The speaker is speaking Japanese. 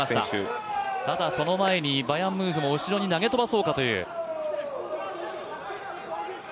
ただその前にバヤンムンフも後ろに投げ飛ばそうかという。